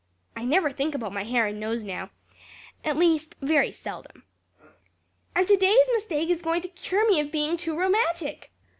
I never think about my hair and nose now at least, very seldom. And today's mistake is going to cure me of being too romantic.